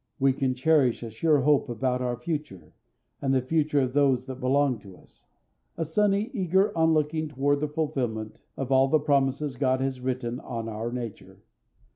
We can cherish a sure hope about our future and the future of those that belong to us—a sunny, eager onlooking toward the fulfillment of all the promises God has written on our nature.